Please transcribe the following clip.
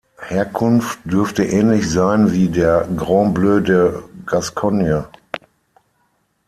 Herkunft dürfte ähnlich sein wie der Grand Bleu de Gascogne.